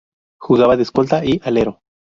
Jugaba de escolta y alero.